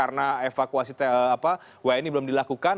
evakuasi wni belum dilakukan